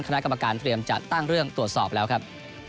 คณะกรรมการเตรียมจัดตั้งเรื่องตรวจสอบแล้วครับ